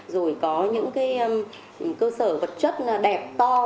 rồi có những cơ sở vật chất đẹp to